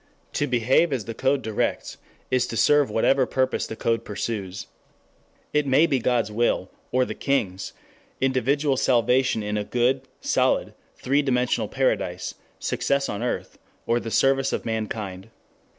To behave as the code directs is to serve whatever purpose the code pursues. It may be God's will, or the king's, individual salvation in a good, solid, three dimensional paradise, success on earth, or the service of mankind.